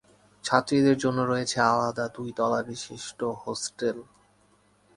ছাত্রীদের জন্য রয়েছে আলাদা দুই তলা বিশিষ্ট হোস্টেল।